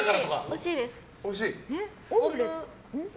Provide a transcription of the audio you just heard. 惜しい！